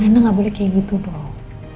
reina gak boleh kayak gitu dong